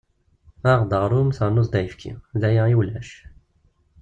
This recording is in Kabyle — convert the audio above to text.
Aɣ-d aɣrum ternu-d ayefki, d aya i ulac.